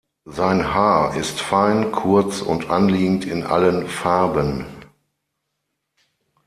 Sein Haar ist fein, kurz und anliegend in allen Farben.